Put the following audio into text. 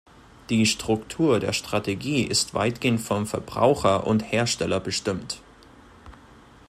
Die Struktur der Strategie ist weitgehend vom Verbraucher und Hersteller bestimmt.